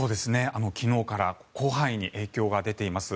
昨日から広範囲に影響が出ています。